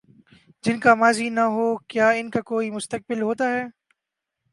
جن کا ماضی نہ ہو، کیا ان کا کوئی مستقبل ہوتا ہے؟